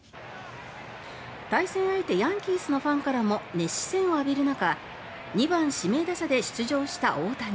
対戦相手ヤンキースのファンからも熱視線を浴びるなか２番、指名打者で出場した大谷。